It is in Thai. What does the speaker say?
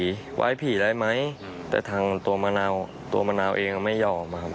ว่าชั้นสามารถหาพี่กี่อะไรไหมแต่ทางตัวมะนาวเอ็งตัวมะนาวไอ้ไหงไม่ยอม